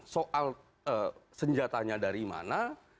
soal senjatanya dari mana